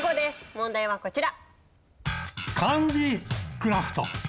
問題はこちら。